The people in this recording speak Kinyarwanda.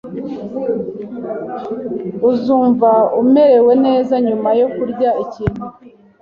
Uzumva umerewe neza nyuma yo kurya ikintu